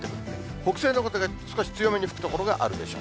北西の風が少し強めに吹く所があるでしょう。